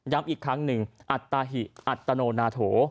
อีกครั้งหนึ่งอัตตาหิอัตโนนาโถ